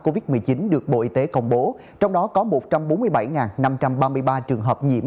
covid một mươi chín được bộ y tế công bố trong đó có một trăm bốn mươi bảy năm trăm ba mươi ba trường hợp nhiễm